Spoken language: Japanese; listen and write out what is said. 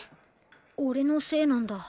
オレのせいなんだ。